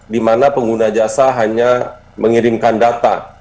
di mana pengguna jasa hanya mengirimkan data